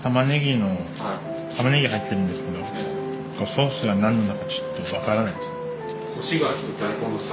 ソースが何だかちょっと分からないですね。